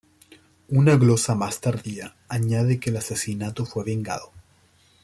Una glosa más tardía añade que el asesinato fue vengado.